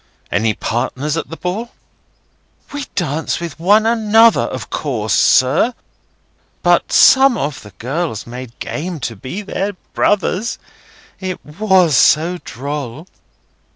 "Any partners at the ball?" "We danced with one another, of course, sir. But some of the girls made game to be their brothers. It was so droll!"